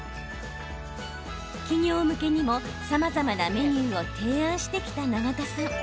企業向けにもさまざまなメニューを提案してきたナガタさん。